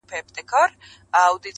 نجات نه ښکاري د هيچا له پاره,